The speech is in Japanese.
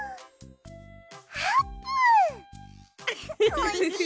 おいしい？